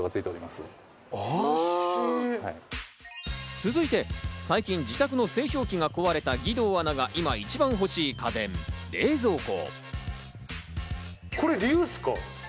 続いて最近、自宅の製氷機が壊れた義堂アナが今、一番ほしい家電、冷蔵庫。